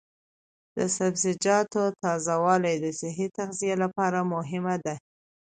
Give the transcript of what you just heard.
د سبزیجاتو تازه والي د صحي تغذیې لپاره مهمه ده.